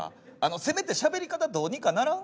せめて喋り方どうにかならん？